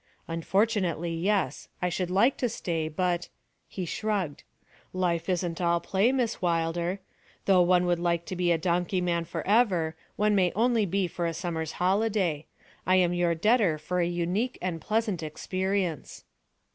'Unfortunately, yes. I should like to stay, but' he shrugged 'life isn't all play, Miss Wilder. Though one would like to be a donkey man for ever, one only may be for a summer's holiday. I am your debtor for a unique and pleasant experience.'